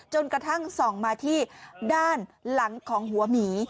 จนกระทั่งส่องมาที่ด้านหลังของหัวหมี